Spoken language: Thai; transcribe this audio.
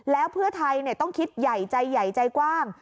แล้วเพื่อไทยต้องคิดใหญ่ใจใหญ่ใจกว้าง